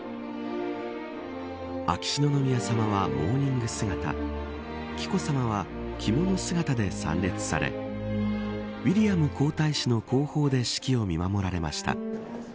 秋篠宮さまは、モーニング姿紀子さまは着物姿で参列されウィリアム皇太子の後方で式を見守られました。